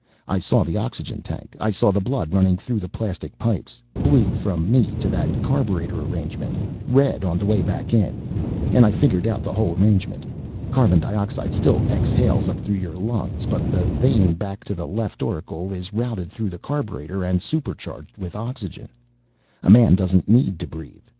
"I saw the oxygen tank, I saw the blood running through the plastic pipes blue from me to that carburetor arrangement, red on the way back in and I figured out the whole arrangement. Carbon dioxide still exhales up through your lungs, but the vein back to the left auricle is routed through the carburetor and supercharged with oxygen. A man doesn't need to breathe.